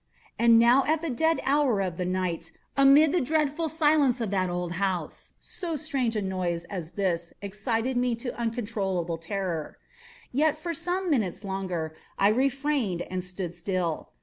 And now at the dead hour of the night, amid the dreadful silence of that old house, so strange a noise as this excited me to uncontrollable terror. Yet, for some minutes longer I refrained and stood still.